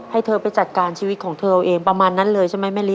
ให้เธอไปจัดการชีวิตของเธอเอาเองประมาณนั้นเลยใช่ไหมแม่ลิ